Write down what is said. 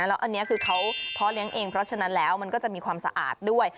แล้วอันนี้คือเขาเพาะเลี้ยงเองเพราะฉะนั้นแล้วมันก็จะมีความสะอาดด้วย